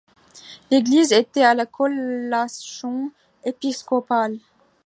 L'église était à la collation épiscopale.